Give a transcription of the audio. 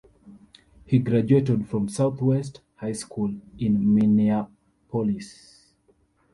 He graduated from Southwest High School in Minneapolis.